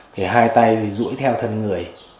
thì hai tay thì rũi theo thân người